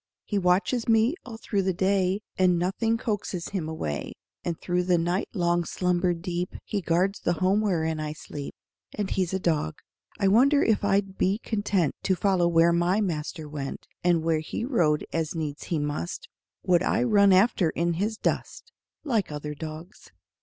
He watches me all through the day, And nothing coaxes him away; And through the night long slumber deep He guards the home wherein I sleep And he's a dog. I wonder if I'd be content To follow where my master went, And where he rode as needs he must Would I run after in his dust Like other dogs.